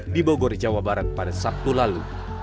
di bogor jawa barat pada sabtu lalu